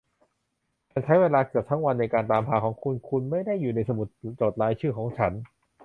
ฉันใช้เวลาเกือบทั้งวันในการตามหาคุณ คุณไม่ได้อยู่ในสมุดจดรายชื่อของฉัน